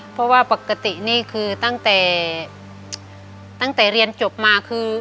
เพราะว่าปกตินี่คือตั้งแต่ตั้งแต่เรียนจบมาคือ